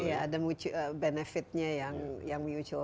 iya ada benefitnya yang mutual